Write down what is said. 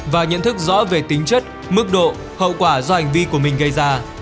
và nhận thức rõ về tính chất mức độ hậu quả do hành vi của mình gây ra